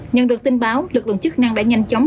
nhận được tin báo lực lượng chức năng đã nhanh chóng